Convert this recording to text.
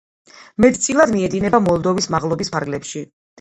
მეტწილად მიედინება მოლდოვის მაღლობის ფარგლებში.